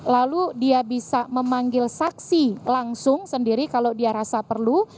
lalu dia bisa memanggil saksi langsung sendiri kalau dia rasa perlu